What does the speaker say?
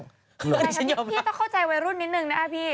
พี่ต้องเข้าใจวัยรุ่นนิดนึงนะคะพี่